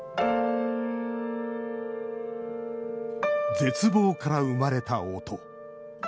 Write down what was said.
「絶望から生まれた“音”」。